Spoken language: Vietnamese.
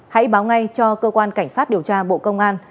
hãy báo ngay cho cơ quan cảnh sát điều tra bộ công an